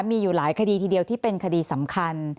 มีอยู่หลายคดีทีเดียวที่เป็นคดีสำคัญ